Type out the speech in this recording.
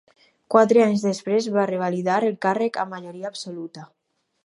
Quatre anys després va revalidar el càrrec amb majoria absoluta.